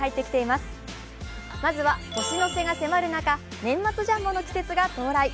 まずは、年の瀬が迫る中年末ジャンボの季節が到来。